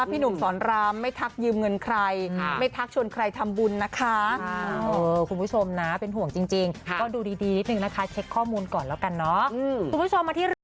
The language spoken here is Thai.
อะไรอย่างนี้นะครับ